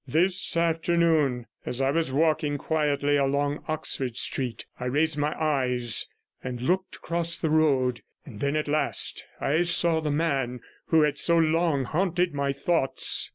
This afternoon, as I was walking quietly along Oxford Street, I raised my eyes and looked across the road, and then at last I saw the man who had so long haunted my thoughts.